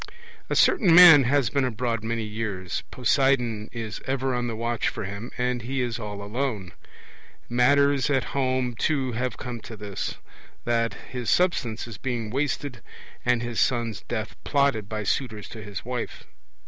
A certain man has been abroad many years; Poseidon is ever on the watch for him, and he is all alone. Matters at home too have come to this, that his substance is being wasted and his son's death plotted by suitors to his wife.